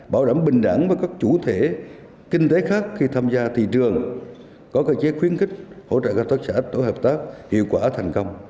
bảo đảm bình đẳng và các chủ thể kinh tế khác khi tham gia thị trường có cơ chế khuyến khích hỗ trợ các tổ chức hợp tác hiệu quả thành công